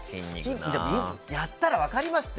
やったら分かりますって。